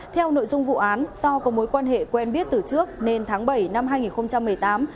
theo nội dung vụ án do có mối quan hệ quen biết từ trước nên tháng bảy năm hai nghìn một mươi tám